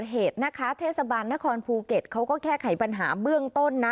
ส่วนที่ประเทศเทศบาลนครภูเก็ตแค่ไขปัญหาเบื้องต้น